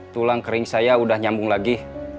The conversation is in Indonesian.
tulang kering saya udah nyambung lagi